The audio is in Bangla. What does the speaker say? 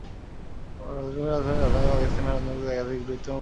রুমী রাজধানী ঢাকাকে পাকিস্তানি হানাদারমুক্ত করতে একাধিক বীরত্বপূর্ণ অভিযানে অংশ নেন।